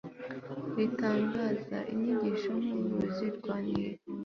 ritangaza inyigisho nk'uruzi rwa nili